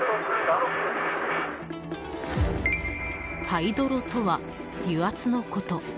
ハイドロとは油圧のこと。